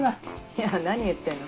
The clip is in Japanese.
いや何言ってんの。